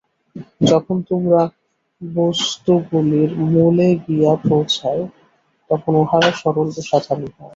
যখন তোমরা বস্তুগুলির মূলে গিয়া পৌঁছাও, তখন উহারা সরল ও সাধারণ হয়।